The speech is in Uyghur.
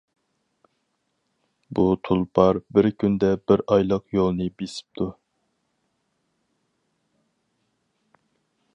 بۇ تۇلپار بىر كۈندە بىر ئايلىق يولنى بېسىپتۇ.